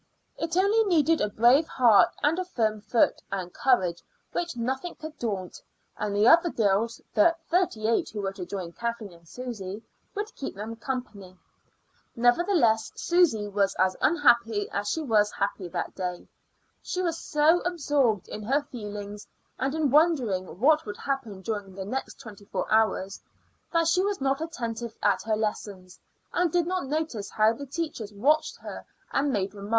It only needed a brave heart and a firm foot, and courage which nothing could daunt; and the other girls, the thirty eight who were to join Kathleen and Susy, would keep them company. Nevertheless Susy was as unhappy as she was happy that day. She was so absorbed in her feelings, and in wondering what would happen during the next twenty four hours, that she was not attentive at her lessons, and did not notice how the teachers watched her and made remarks.